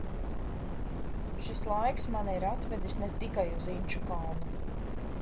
Šis laiks mani ir atvedis ne tikai uz Inčukalnu.